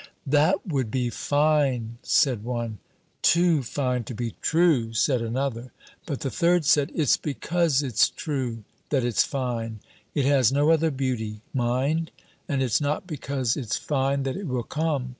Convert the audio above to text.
"That would be fine!" said one. "Too fine to be true!" said another. But the third said, "It's because it's true that it's fine. It has no other beauty, mind! And it's not because it's fine that it will come.